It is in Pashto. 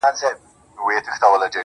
لټوي د نجات لاري او غارونه!!